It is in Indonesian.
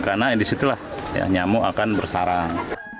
karena di situlah nyamuk akan bersarang